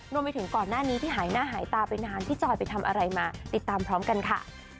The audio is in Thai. รวมไปถึงก่อนหน้านี้ที่หายหน้าหายตาไปนานพี่จอยไปทำอะไรมาติดตามพร้อมกันค่ะ